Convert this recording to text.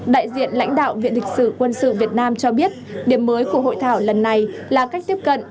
đại diện lãnh đạo viện lịch sử quân sự việt nam cho biết điểm mới của hội thảo lần này là cách tiếp cận